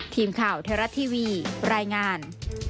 ทีมข่าวไทยรัฐทีวีรายงาน